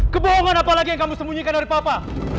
kebohongan apalagi yang kamu sembunyikan dari papa